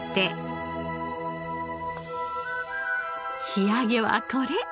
仕上げはこれ。